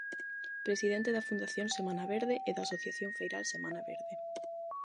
Presidente da Fundación Semana Verde e da Asociación Feiral Semana Verde.